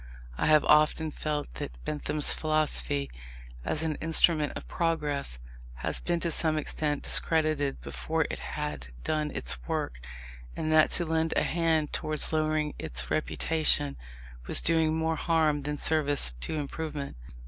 I have often felt that Bentham's philosophy, as an instrument of progress, has been to some extent discredited before it had done its work, and that to lend a hand towards lowering its reputation was doing more harm than service to improvement.